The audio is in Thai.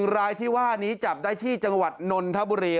รายที่ว่านี้จับได้ที่จังหวัดนนทบุรี